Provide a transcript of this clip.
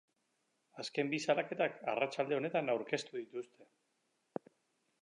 Azken bi salaketak arratsalde honetan aurkeztu dituzte.